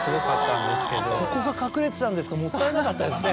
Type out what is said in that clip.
ここが隠れてたんですかもったいなかったですね。